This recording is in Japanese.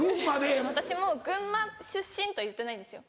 私も群馬出身とは言ってないんですよ。